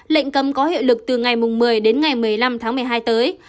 lệnh cấm có hiệu lực từ ngày một mươi đến ngày một mươi năm tháng một mươi hai tới